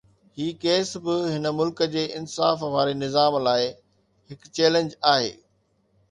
هي ڪيس به هن ملڪ جي انصاف واري نظام لاءِ هڪ چئلينج آهي.